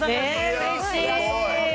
うれしい。